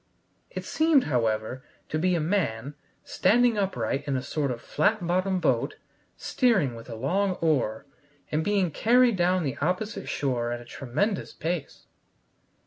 It seemed, however, to be a man standing upright in a sort of flat bottomed boat, steering with a long oar, and being carried down the opposite shore at a tremendous pace.